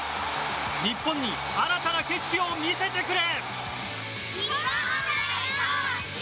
日本に新たな景色を見せてくれ！